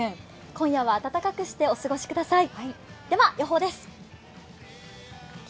今夜はあたたかくしてお過ごしください。